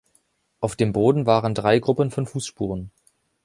Auf dem Boden waren drei Gruppen von Fußspuren.